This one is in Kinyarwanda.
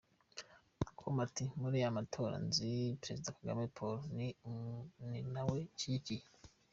com ati”Muri aya matora nzi Perezida Kagame Paul ni nawe nshyigikiye.